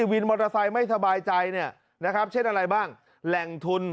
วินมอเตอร์ไซค์ไม่สบายใจเนี่ยนะครับเช่นอะไรบ้างแหล่งทุน